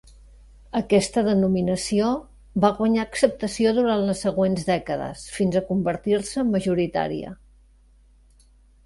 Aquesta denominació va guanyar acceptació durant les següents dècades fins a convertir-se en majoritària.